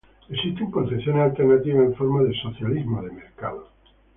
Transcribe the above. Existen concepciones alternativas en forma de socialismo de mercado.